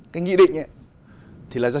cái nghị định này thì là do